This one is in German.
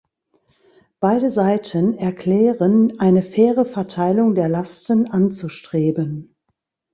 Beide Seiten erklären, eine faire Verteilung der Lasten anzustreben.